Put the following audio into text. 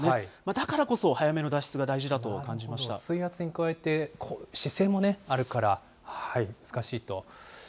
だからこそ、早めの脱出が大事だ水圧に加えて、姿勢もあるから、難しいと。